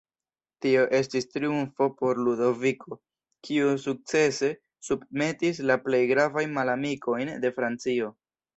Tio estis triumfo por Ludoviko, kiu sukcese submetis la plej gravajn malamikojn de Francio.